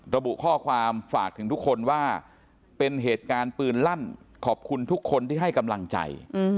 ระบุข้อความฝากถึงทุกคนว่าเป็นเหตุการณ์ปืนลั่นขอบคุณทุกคนที่ให้กำลังใจ